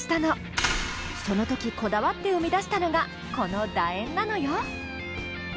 その時こだわって生み出したのがこのだ円なのよ。